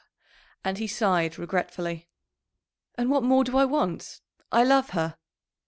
And he sighed regretfully. "And what more do I want? I love her."